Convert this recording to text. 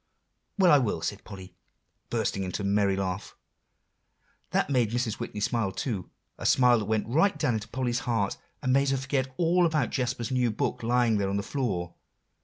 "Well, I will," said Polly, bursting into a merry laugh, that made Mrs. Whitney smile too, a smile that went right down into Polly's heart, and made her forget all about Jasper's new book lying there on the floor.